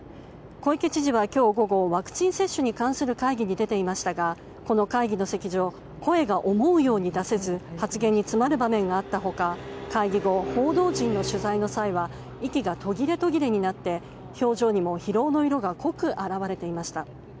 小池知事は今日午後ワクチン接種に関する会議に出ていましたが、この会議の席上声が思うように出せず発言に詰まる場面があった他会議後、報道陣の取材の際は息が途切れ途切れになって表情にも疲労の色が濃く表れていました。